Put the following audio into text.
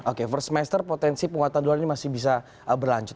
oke first semester potensi penguatan dolar ini masih bisa berlanjut